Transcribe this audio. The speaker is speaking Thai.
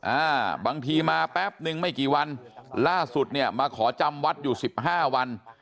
อ่าบางทีมาแป๊บนึงไม่กี่วันล่าสุดเนี่ยมาขอจำวัดอยู่สิบห้าวัน